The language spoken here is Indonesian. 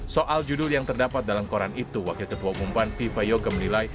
soal judul yang terdapat dalam koran itu wakil ketua umum pan viva yoga menilai